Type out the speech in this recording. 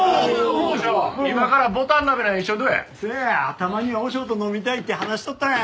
たまには和尚と飲みたいって話しとったんや。